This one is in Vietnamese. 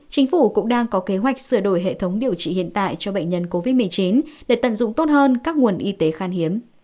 chính phủ cũng đang có kế hoạch sửa đổi hệ thống điều trị hiện tại cho bệnh nhân covid một mươi chín để tận dụng tốt hơn các nguồn y tế khan hiếm